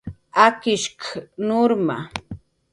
"Akishk"" nurma "